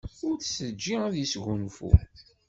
Ur t-teǧǧi ad yesgunfu.